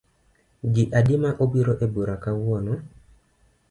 Ji adi ma obiro ebura kawuono?